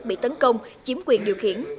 bị tấn công chiếm quyền điều khiển